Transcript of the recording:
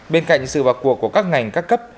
bên cạnh sự vào cuộc của các ngành các cấp